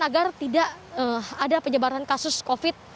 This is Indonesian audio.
agar tidak ada penyebaran kasus covid